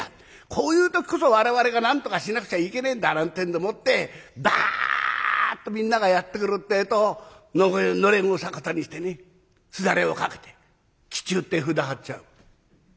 こういう時こそ我々がなんとかしなくちゃいけねえんだ」なんてんでもってバッとみんながやって来るってえとのれんを逆さにしてねすだれを掛けて忌中って札貼っちゃう。